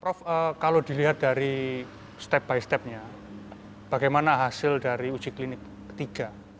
prof kalau dilihat dari step by stepnya bagaimana hasil dari uji klinik ketiga